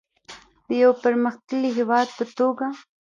د یو پرمختللي هیواد په توګه.